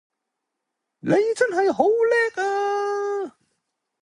你真係好叻呀